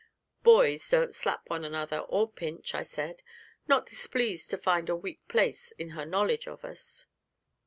'Boys don't slap one another, or pinch,' I said, not displeased to find a weak place in her knowledge of us.